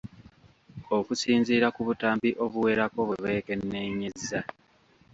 Okusinziira ku butambi obuwerako bwe beekenneenyezza.